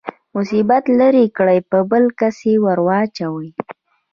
مصیبت لرې کړي په بل کس يې ورواچوي.